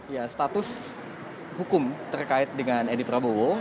ya status hukum terkait dengan edi prabowo